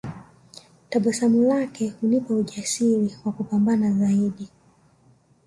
Tabasamu lake hunipa ujasiri wa kupambana zaidi